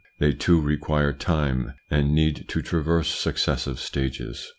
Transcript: They, too, require time, and need to traverse suc cessive stages.